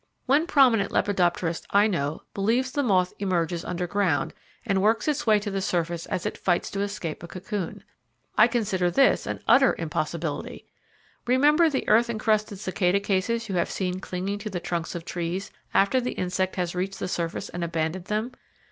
One prominent lepidopterist I know, believes the moth emerges underground, and works its way to the surface as it fights to escape a cocoon. I consider this an utter impossibility. Remember the earth encrusted cicada cases you have seen clinging to the trunks of trees, after the insect has reached the surface and abandoned them.